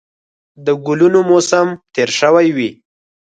د ګلونو موسم تېر شوی وي